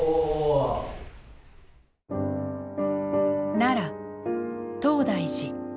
奈良東大寺。